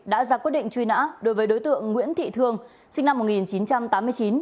đã ra quyết định truy nã đối với đối tượng nguyễn thị thương sinh năm một nghìn chín trăm tám mươi chín